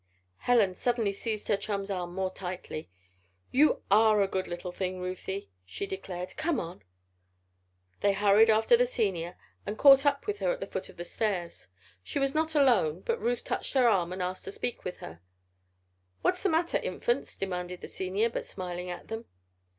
Helen suddenly seized her chum's arm more tightly. "You are a good little thing, Ruthie," she declared. "Come on." They hurried after the Senior and caught up with her at the foot of the stairs. She was not alone, but Ruth touched her arm and asked to speak with her. "What's the matter, Infants?" demanded the Senior, but smiling at them.